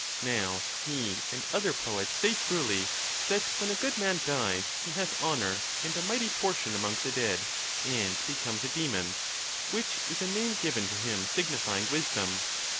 Now he and other poets say truly, that when a good man dies he has honour and a mighty portion among the dead, and becomes a demon ; which is a name given to him signifying wisdom.